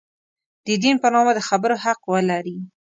د دین په نامه د خبرو حق ولري.